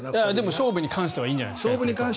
勝負に関してはいいんじゃないですか。